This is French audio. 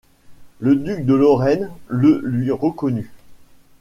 Le duc de Lorraine le lui reconnut.